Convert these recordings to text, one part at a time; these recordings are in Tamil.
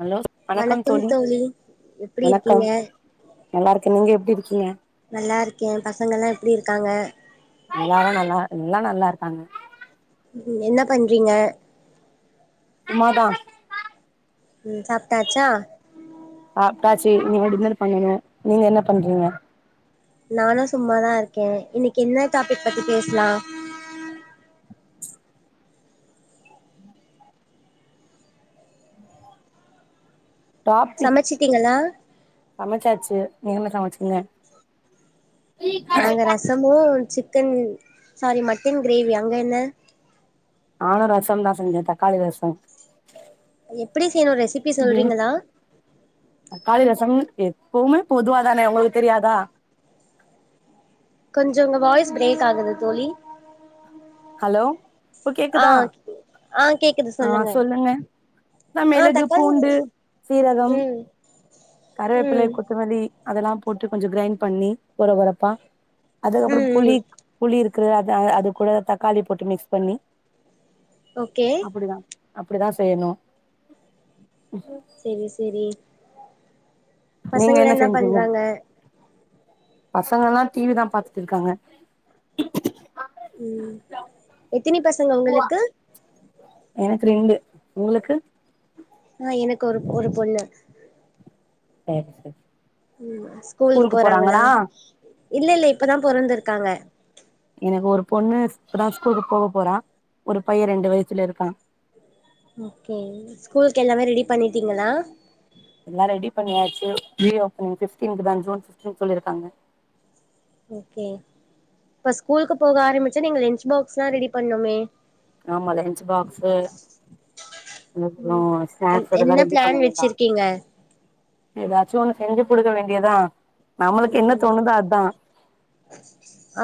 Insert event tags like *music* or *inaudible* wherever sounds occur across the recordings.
ஹலோ வணக்கம் தோழி எப்டி வணக்கம் இருக்கீங்க நல்லாருக்கே நீங்க எப்டி இருக்கீங்க நல்லாருக்கே பசங்கல்லா எப்டி இருக்காங்க எல்லாரு நல்லா எல்லா நல்லாருக்காங்க ம் என்ன பண்றீங்க சும்மா தா ம் சாப்ட்டாச்சா சாப்ட்டாச்சி இனிமே டின்னர் பண்ணனு நீங்க என்ன பண்றீங்க நானு சும்மா தா இருக்கே இன்னிக்கு என்ன டாபிக் பத்தி பேசலா டாபிக் சமச்சிட்டீங்களா சமச்சாச்சு நீங் என்ன சமச்சீங்க நாங்க ரசமு சிக்கன் சாரி மட்டன் க்ரேவி அங்க என்ன நானு ரசம்தா செஞ்சே தக்காளி ரசோ அது எப்டி செய்யனு ரெசிப்பி சொல்றீங்களா காளி ரசம் எப்பவுமே பொதுவா தானே உங்களுக் தெரியாதா கொஞ்சோ உங்க வாய்ஸ் பிரேக் ஆகுது தோழி அலோ இப்ப ஆ கேக்குதா ஆ கேக்குது ஆ சொல்லுங்க த ஆ மெளகு, தக்காளி பூண்டு, சீரகம் ம் கருவேப்பிலை, ம் கொத்தமல்லி அதெல்லா போட்டு கொஞ்ச கிரைண்ட் பண்ணி கொற கொறப்பா அதுக்கப்றோ ம் புளி ம் புளி இரு க்கு அத அது கூட தக்காளி போட்டு மிக்ஸ் பண்ணி ஓகே அப்டி தா செய்யனு செரி செரி நீங்க பசங்கல்லா என்ன செஞ்சீங்க பண்றாங்க பசங்கல்லா டி வி தா பாத்துட்டுருக்காங்க ம் எத்தினி பசங்க உங்களுக்கு எனக்கு ரெண்டு உங்களுக்கு ஆ எனக்கு ஒரு ஒரு பொண்ணு சேர் செர் ம் ஸ்கூல்க்கு போறாங்களா இல்ல இல்ல இப்ப தா பொறந்துருக்காங்க எனக்கு ஒரு பொண்ணு ஸ் இப்ப தா ஸ்கூலுக்கு போக போறா ஒரு பைய ரெண்டு வயசுல இருக்கா ஓகே ஸ்கூல்க்கு எல்லாமே ரெடி பண்ணிட்டீங்களா எல்லா ரெடி பண்ணியாச்சு ரீஓபனிங் ஃபிஃப்ட்டீன்த் தா ஜூன் ஃபிஃப்ட்டீன்த் சொல்லிருக்காங்க ஓகே ப ஸ்கூல்க்கு போக ஆரம்பிச்சா நீங்க லன்ச் பாக்ஸ்லா ரெடி பண்ணுமே ஆமால்ல லன்ச்சு பாக்ஸு அதுக்கப்பறோ ம் என் ஸ்நாக்ஸ் இதெல்லா என்ன ரெடி பிளான் பண்ணனு தா வச்சிருக்கீங்க எதாச்சு ஒன்னு செஞ்சு குடுக்க வேண்டிய தா நம்மளுக்கு என்ன ம் தோணுதோ அதா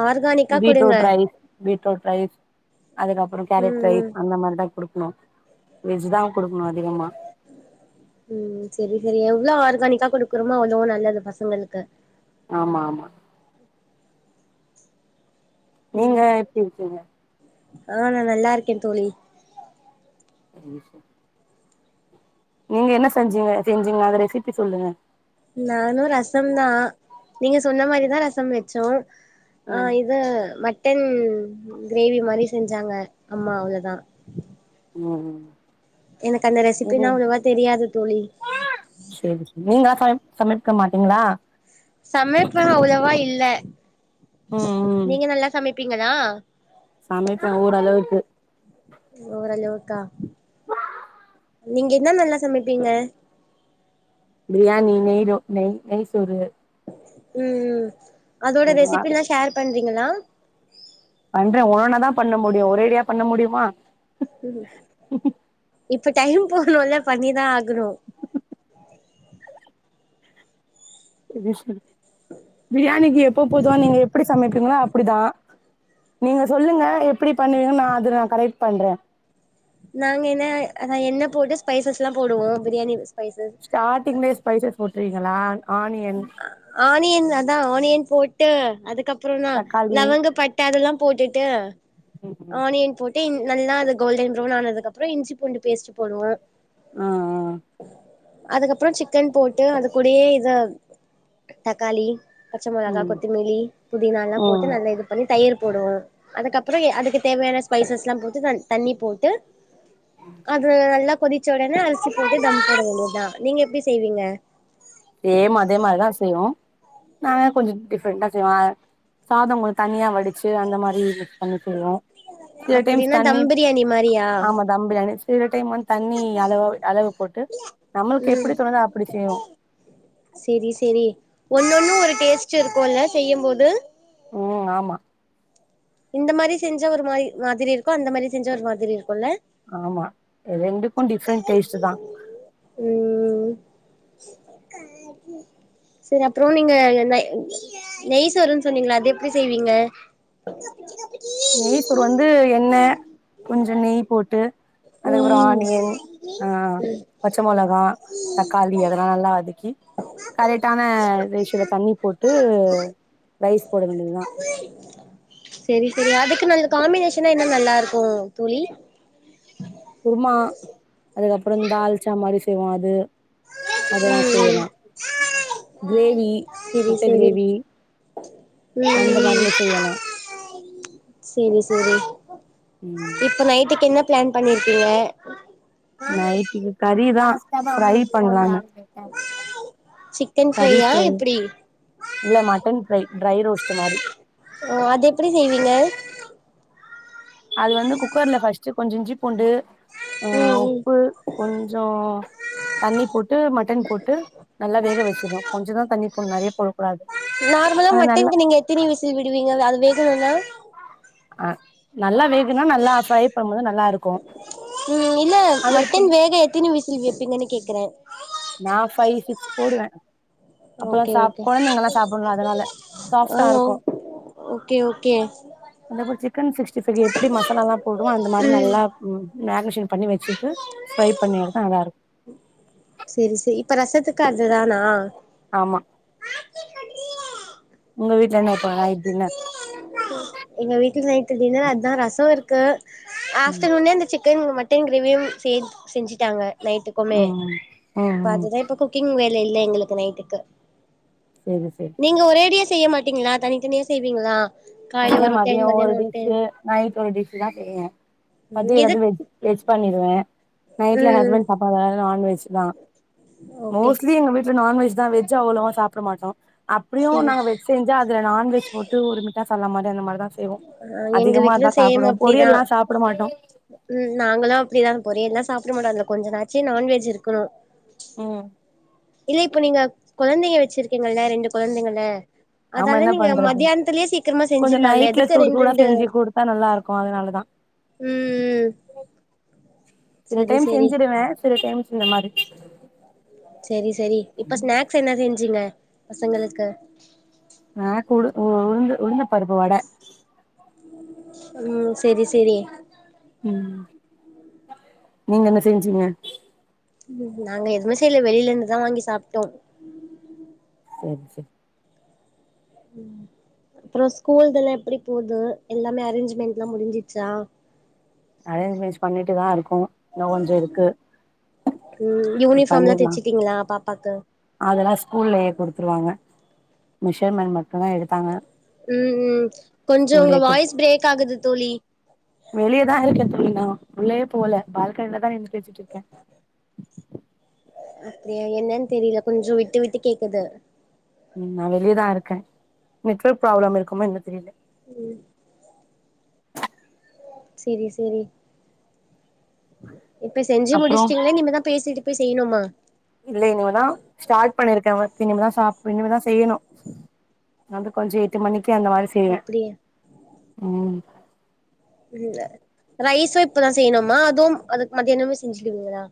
ஆர்கானிக்கா குடுங்க beetroot rice beetroot rice அதுக்கப்பறோ கேரட் ரை ம் அந்த மாரி தா குடு க்கனு வெஜ்ஜு தா குடுக்கனு அதிகமா ம் செரி செரி எவ்ளோ ஆர்கானிக்கா குடுக்கறமோ அவ்ளோ நல்லது பசங்களுக்கு ஆமா ஆமா நீங்க எப்டி இருக்கீங்க ஆ நா நல்லாருக்கே தோழி ஒரு விஷ்யோ நீங்க என்ன செஞ்சீங்க செஞ்சீங்க அந்த ரெசிப்பி சொல்லுங்க நானு ரசம் தா நீங்க சொன்ன மாரி தா ரசம் வெச்சோ ஆ ம் இது மட் டன் க்ரேவி மாரி செஞ்சாங்க அம்மா அவ்ளோ தா ம் ரெசிபினா ம் அவ்ளோவா தெரியாது தோழி செரி சரி நீங்க *unintelligible* சமைக்க மாட்டீங்ளா சமப்பே அவ்லவா இல்ல ம் நீங்க நல்லா சமப்பீங்களா சமைபே ஓரளவுக்கு ஓறளவுக்கா நீங்க என்ன நல்லா சமப்பீங்க பிரியாணி நெய்த நெய் நெய் சோறு ம் அதோட ரெசிபிலா ஷேர் பண்றீங்களா பண்றே ஒவ்வொன்னா தா பண்ண முடியு ஒரேடியா பண்ண முடியுமா ம் இப் ப டைம் போகணுல பண்ணிதா ஆகனு அது சரி பிரியாணிக்கு எப்ப பொதுவா நீங்க எப்டி சமபிப் எல்லா அப்டிதா நீங்க சொல்லுங்க எப்டி பண்ணுவீங்க நா அது நா கரெட் பண்றே நாங்க என்ன எண்ணெ போட்டு ஸ்பைசஸ்லா போடுவோ பிரியாணி ஸ்பைசஸ் ஸ்டார்ட்டிங்லே ஸ்பைசஸ் போட்ருவிங்ளான் ஆனியன் அதா ஆனியன் போட்டு அதுக்கப் றோனா தக்காளி லவங்க பட்ட அதெல்லா போட்டுட்டு ஆனியன் போட்டு இ நல்லா அது கோல்டன் பிரவுன் ஆனதுகப்றோ இஞ்சி பூண்டு பேஸ்ட்டு போடுவோ அ அ அதுக்கப்றோ சிக்கன் போட்டு அது கூடயே இத தக்காளி பச்ச மொளகா ம் கொத்தமிலி புதினா எல்லா ஓ போட்டு நல்லா இது பண்ணி தயிர் போடுவோ அதுக்கப்றோ அதுக்கு தேவையான ஸ்பைசஸ்லா போட்டு தண்ணி போட்டு அது நல்லா கொதிச்ச ஒடனே அரிசி போட்டு தம் போட வேன்டியதா நீங்க எப்டி செய்வீங்க சேம் அதே மாரிதா செய்வோம் நா கொஞ்சோ டிஃபரண்டா செய்வே சாதோ கொஞ்சோ தனியா வடி சோ அந்த மாரி பண்ணிகுவோ சில டைம்ஸ் அப்டின்னா தண்ணி தம் பிரியாணி மாரியா ஆமா தம் பிரியாணி சில டைம் வந்து தண்ணி அளவை அளவு போட்டு நம்ளுக்கு ம் எப்டி தோணுதோ அப்டி செய்வோ செரி செரி ஒன்னொன்னு ஒரு டேஸ்ட் இருக்குல செய்யம்போது ம் ஆமா இந்த மாரி செஞ்சா ஒரு மாரி மாதிரி இருக்கு அந்த மாதிரி செஞ்சா ஒரு மாதிரி இருக் ஆமா ரெண்டுக்கு டிஃப்ரெண்டு டேஸ்ட்டு தா ம் சரி அப்றோ நீங்க நெய் சோருன்னு சொன்னீங்கள அது எப்டி செய்வீங்க நெய் சோறு வந்து எண்ணெ கொஞ்சோ நெய் போட்டு அதுக்கப்றோ ம் ஆனியன் ஆ பச்ச மொளகா தக்காளி அதெல்லா நல்லா வதக்கி கரெட்டான ரேஷ்யோல தண்ணி போட்டு ரைஸ் போட வேண்டியதுதா செரி செரி இது காம்பினேஷனா என்ன நல்லாருக்கு தோழி குருமா அதுக்கப்றோ தால்ச்சா மாரி செய்வோ அது அதெல்லா ம் செய்யலா ம் கிரேவி செரி முட்ட செரி கிரேவி ம் அந்த ம் மாரிலா செய்யலா செரி செரி ம் இப்ப நைட்டுக்கு என்ன பிளான் பண்ணிர்க்கீங்க நைட்டுக்கு கறிதா ஃபிரை பண்ணலான் சிக்கன் கறி ஃப்ரையா ஃப்ரை எப்டி இல்ல மட்டன் ஃப்ரை டிரை ரோஸ்ட்டு மாரி ஒ அது எப்டி செய்வீங்க அது வந்து குக்கர்ல ஃபர்ஸ்ட்டு கொஞ்சோ இஞ்சி பூண்டு அ ம் ம் உப்பு கொஞ்சோ தண்ணி போட்டு மட்டன் போட்டு நல்லா வேக வச்சிட்னு கொஞ்சோ தா தண்ணி போட்ணு நெறைய போ நார்மலா மட்டனுக்கு நீங்க எத்தினி விசில் விடுவீங்க அது வேகணுன்னா அ நல்லா வேகுனு நல்லா ஃப்ரை பண்ணுபோது நல்லாருக்கோ ம் இல்ல மட்டன் வேக எத்தினி விசில் வெப்பீங்கன்னு கேக்குற நா ஃபைவ் சிக்ஸ் போடுவ அப்பத்தா ஓகே சாப் ஓகே கொழந்தைங்கல்லா சாப்படனு அதனால ஆ சாஃப்ட்டா இருக்கு ஓகே ஓகே அதேபோல சிக்கன் சிஸ்டி ஃபைவ்க்கு எப்டி மசாலாலா போடுவோ அந்த மாரி ம் நல்லா ம் மேக்னேஷன் பண்ணி வச்சிட்டு ஃப்ரை பண்ணி எடுத்தா நல்லாருக்கு செரி செரி இப்ப ரசத்துக்கு அதுதானா ஆமா உங்க வீட்டுல என்ன இப்ப நைட் டின்னர் எங்க வீட்டுல நைட்ல டின்னர் அதா ரசோ இருக்கு ம் ஆஃப்டர்நோண்னே இந்த சிக் சிக்கன் மட்டன் கிரேவியும் சேத்து செஞ்சிட்டாங்க ம் நைட்டுக்குமே ம் இப்ப ம் ம் அதுதா இப்ப குக்கிங் வே ல இல்ல எங்களுக்கு நைட்டுக்கு சேரி சேரி நீங்க ஒரேடியா செய்ய மாட்டீங்களா தனித்தனியா செய்வீங்களா காலைல இல்ல ஒரு டைம் மதியோ ஒரு மதியானோ டைம் டிஷ்சி நைட்டு ஒரு டிஷ்சி தா செய்வோ ம் மதியோ எது ஏதாவது வெஜ் வெஜ் பண்ணிருவே நைட்ல ம் ஹஸ்பண்ட் பாப்பா எல்லாரு நான்வெஜ் தா ஓகே மோஸ்ட்லி எங்க வீட்டுல நான்வெஜ் தா வெஜ் அவ்ளவா சாப்பிட மாட்டோ அப்டியு சரி நாங்க வெஜ் செஞ்சா அதுல நான்வெஜ் போட்டு ஒரு மட்டன் சால்னா மாரி அந்த மாரிதா செய்வோ ஆ எங்க அதிகமா அதா வீட்லயு சேம் சாப்புடுவோ அப்டிதா பொரியல்லா சாப்புட மாட்டோ ம் நாங்களு அப்படிதா பொரியல்லா சாப்புட மாட்டோ அதுல கொஞ்ச நாச்சு நான்வெஜ் இருக்கணு ம் இல்ல இப்போ நீங்க கொழந்தைங்க வச்சிருக்கீங்கல்ல ரெண்டு கொழந்தைங்கள ஆமா அதால என்ன நீங்க பண்றது மத்தியானத்துலயே சீக்கிரமா கொஞ்சோ செஞ்சரலால்ல நைட்ல எதுக்கு சுடு ரெண் சூடா ரெண்டு செஞ்சு குடுத்தா நல்லா இருக்கு அதனாலதா ம் ம் சில செரி டைம் செரி செஞ்சிருவே சில டைம்ஸ் இந்த மாரி செரி செரி இப்ப ஸ்நாக்ஸ் என்ன செஞ்சீங்க பசங்களுக்கு நாக்கு உளு உளுந்து உளுந்த பருப்பு வட ம் செரி செரி ம் நீங்க என்ன செஞ்சீங்க ம் நாங்க எதுவுமே செய்ல வெளில இருந்துதா வாங்கி சாப்ட்டோ ம் செரி ம் அப்புறோ ஸ்கூல் இதெல்லா எப்டி போது எல்லாமே அரேஞ்ச்மெண்ட்ல்லா முடிஞ்சிருச்சா அரேஞ்ச்மெண்ட்ஸ் பண்ணிட்டுதா இருக்கோ இன்னு கொஞ்சோருக்கு ம் யூனிஃபார்ம்லா பண்ணிர்லா தெச்சிட்டீங்களா பாப்பாக்கு அதெல்லா ஸ்கூல்லயே குடுத்துருவாங்க மிஷர்மென் மட்டுந்தா எடுத்தாங்க ம் ம் கொஞ்சோ உங்க ஸ்கூல்லயே குடு வாய்ஸ் பிரேக் ஆகுது தோழி அ இருக்கே தோழி நா உள்ளயே போகல பால்கனில தா நின்னு பேசிட்டுருக்க அப்டியா என்னன் தெரில கொஞ்சோ விட்டு விட்டு கேக்குது ம் நா வெளியேதாருக்க நெட்வர்க் ப்ராப்ளம் இருக்குமோ என்ன தெரில ம் செரி செரி இப்ப செஞ்சி அப்றோ முடிச்சிட்டீங்களா இனிமே தா பேசிட்டு போய் செய்யணுமா இல்ல இனிமேதா ஸ்டார்ட் பண்ணிருக்க இனிமேதா சாப் இனிமேதா செய்யணு வந்து கொஞ்ச எட்டு மணிக்கு அந்த மாரி செய்வேன் அப்டியா ம் *unintelligible* ரைஸும் இப்பதான் செய்யணுமா அதுவும் அது மத்தியானமே செஞ்சிடுவீங்களா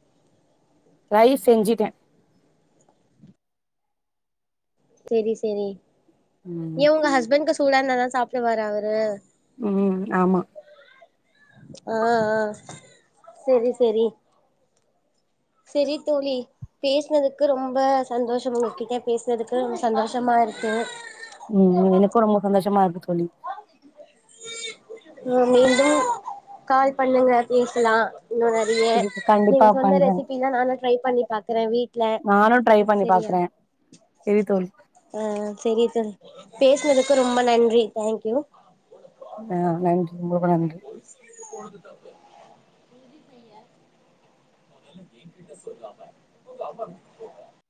ரைஸ் செஞ்சிட்டேன் செரி செரி ம் ஏன் உங்க ஹஸ்பண்ட்க்கு சூடார்ந்தாதான் சாப்டுவாறா அவரு ம் ஆமா ஆ ஆ செரி செரி செரி தோழி பேசுனதுக்கு ரொம்ப சந்தோஷம் உங்க கிட்ட பேசுனதுக்கு சந்தோஷமா இருக்கு ம் எனக்கு ரொம்ப சந்தோஷமா இருக்கு தோழி ம் மீண்டும் கால் பண்ணுங்க பேசலா இன்னு நெறைய இதுக்கு நீங்க கண்டிப்பா சொன்ன பண்றே ரெசிபி தான் நானும் ட்ரை பண்ணி பாக்குறேன் வீட்ல னு ட்ரை பண்ணி சரியா பாக்குறேன் செரி தோழி ஆ செரி தோழி பேசுனதுக்கு ரொம்ப நன்றி தேங்க்யூ ஆ நன்றி உங்களுக்கு நன்றி *unintelligible* மொதல்ல என்கிட்ட சொல்லாம உங்க அம்மா வீட்டுக்கு *unintelligible*